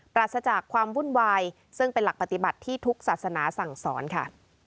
ปราศจากความวุ่นวายซึ่งเป็นหลักปฏิบัติที่ทุกศาสนาสั่งสอนค่ะ